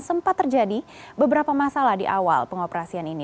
sempat terjadi beberapa masalah di awal pengoperasian ini